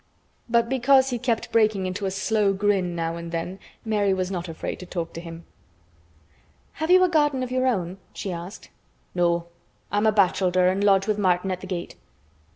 But because he kept breaking into a slow grin now and then, Mary was not afraid to talk to him. "Have you a garden of your own?" she asked. "No. I'm bachelder an' lodge with Martin at th' gate."